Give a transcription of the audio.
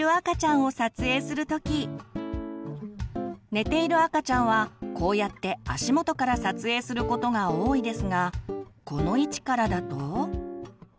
寝ている赤ちゃんはこうやって足元から撮影することが多いですがこの位置からだと。